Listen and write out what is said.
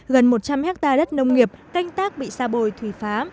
gần một trăm linh hectare đất nông nghiệp canh tác bị xa bồi thủy phá